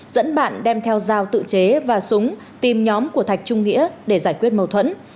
dẫn bạn đem theo giao tự chế và súng tìm nhóm của thạch trung nghĩa để giải quyết mâu thuẫn